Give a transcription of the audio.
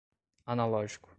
analógico